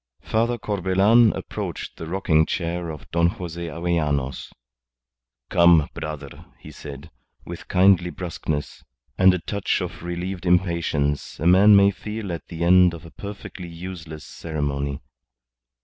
Father Corbelan approached the rocking chair of Don Jose Avellanos. "Come, brother," he said, with kindly brusqueness and a touch of relieved impatience a man may feel at the end of a perfectly useless ceremony.